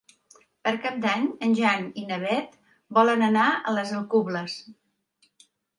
Per Cap d'Any en Jan i na Beth volen anar a les Alcubles.